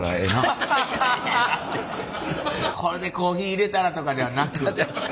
これでコーヒーいれたらとかではなくて？